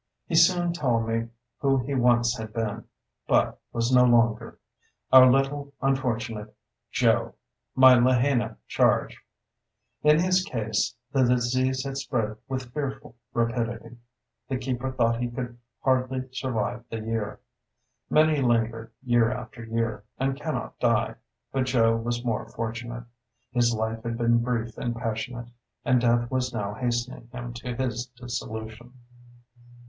He soon told me who he once had been, but was no longer. Our little, unfortunate "Joe," my Lahaina charge. In his case the disease had spread with fearful rapidity: the keeper thought he could hardly survive the year. Many linger year after year, and cannot die; but Joe was more fortunate. His life had been brief and passionate, and death was now hastening him to his dissolution.